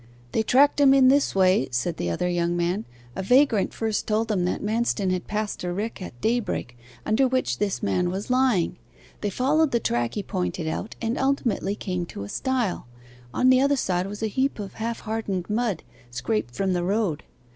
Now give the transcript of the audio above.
'They tracked him in this way,' said the other young man. 'A vagrant first told them that Manston had passed a rick at daybreak, under which this man was lying. They followed the track he pointed out and ultimately came to a stile. On the other side was a heap of half hardened mud, scraped from the road.